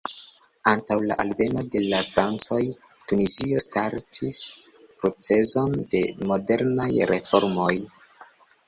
Antaŭ la alveno de la francoj, Tunizio startis procezon de modernaj reformoj.